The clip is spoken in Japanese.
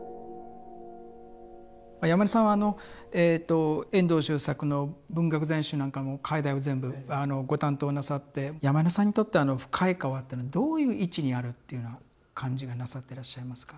山根さんは遠藤周作の文学全集なんかも解題を全部ご担当なさって山根さんにとって「深い河」っていうのはどういう位置にあるっていうような感じがなさってらっしゃいますか？